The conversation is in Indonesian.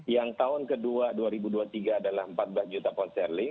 yang tahun kedua dua ribu dua puluh tiga adalah empat belas juta pound sterling